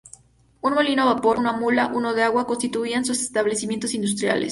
Un molino a vapor, uno a mula, uno de agua, constituían sus establecimientos industriales.